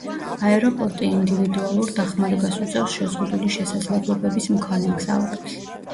აეროპორტი ინდივიდუალურ დახმარებას უწევს შეზღუდული შესაძლებლობების მქონე მგზავრებს.